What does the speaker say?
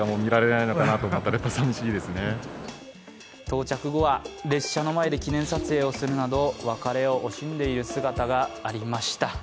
到着後は列車の前で記念撮影をするなど別れを惜しんでいる姿がありました。